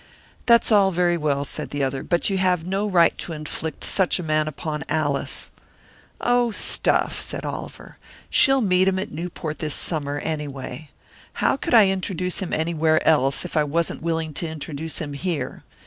"That's all very well," said the other. "But you have no right to inflict such a man upon Alice." "Oh, stuff!" said Oliver. "She'll meet him at Newport this summer, anyway. How could I introduce him anywhere else, if I wasn't willing to introduce him here?